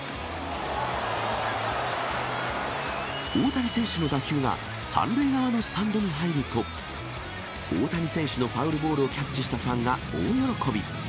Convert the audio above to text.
大谷選手の打球が３塁側のスタンドに入ると、大谷選手のファウルボールをキャッチしたファンが大喜び。